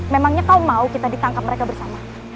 memangnya kau mau kita ditangkap mereka bersama